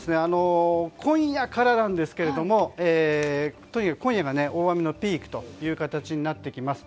今夜からなんですが、とにかく今夜が大雨のピークという形になってきます。